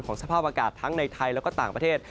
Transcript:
สภาพอากาศทั้งในไทยแล้วก็ต่างประเทศ